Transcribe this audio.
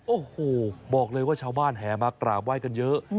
โอ้โหบอกเลยว่าชาวบ้านแห่มากราบไหว้กันเยอะ